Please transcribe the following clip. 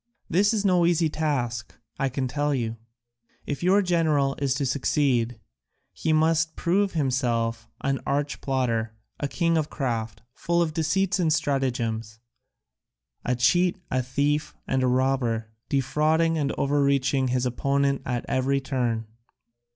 This is no easy task, I can tell you. If your general is to succeed he must prove himself an arch plotter, a king of craft, full of deceits and stratagems, a cheat, a thief, and a robber, defrauding and overreaching his opponent at every turn."